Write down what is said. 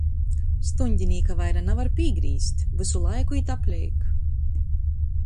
Stuņdinīka vaira navar pīgrīzt, vysu laiku īt apleik.